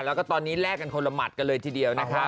แล้วก็ตอนนี้แลกกันคนละหมัดกันเลยทีเดียวนะคะ